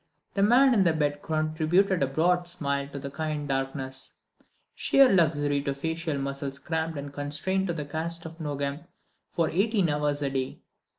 The man in bed contributed a broad smile to the kind darkness—sheer luxury to facial muscles cramped and constrained to the cast of Nogam for eighteen hours a day.